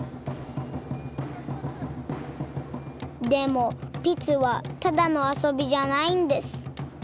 でもピツはただの遊びじゃないんです。